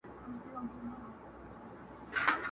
یوه ورځ به ورته ګورو چي پاچا به مو افغان وي!.